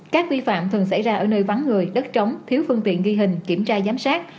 các vi phạm thường xảy ra ở nơi vắng người đất trống thiếu phương tiện ghi hình kiểm tra giám sát